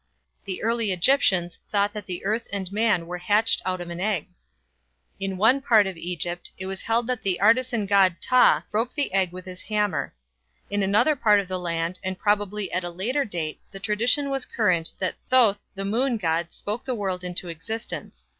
The early Egyptians thought that the earth and man were hatched out of an egg. In one part of Egypt it was held that the artisan god Ptah broke the egg with his hammer. In another part of the land and probably at a later date the tradition was current that Thoth the moon god spoke the world into existence.